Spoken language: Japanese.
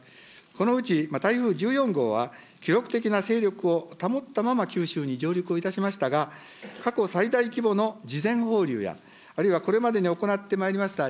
このうち、台風１４号は、記録的な勢力を保ったまま九州に上陸をいたしましたが、過去最大規模の事前放流や、あるいはこれまでに行ってまいりました